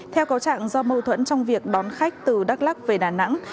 theo cáo trạng do mâu thuẫn trong việc đón khách từ đắk lắc về đà nẵng